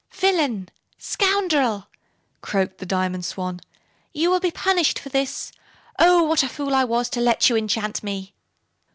"Villain! Scoundrel!" croaked the Diamond Swan. "You will be punished for this. Oh, what a fool I was to let you enchant me!